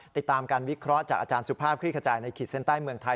ติดตามการวิเคราะห์จากอาจารย์สุภาพคลี่ขจายในขีดเส้นใต้เมืองไทย